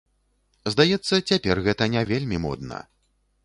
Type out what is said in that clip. Здаецца, цяпер гэта не вельмі модна.